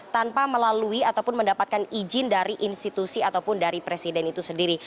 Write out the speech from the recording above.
tanpa melalui ataupun mendapatkan izin dari institusi ataupun dari presiden itu sendiri